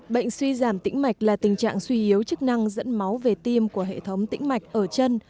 bệnh suy giảm tĩnh mạch là tình trạng suy yếu chức năng dẫn máu về tim của hệ thống tĩnh mạch ở chân